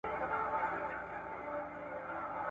ډېر ناوخته به دوی پوه سوې چي څه چل دی `